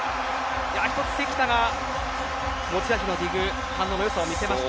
１つ関田が持ち味のディグ反応の良さを見せました。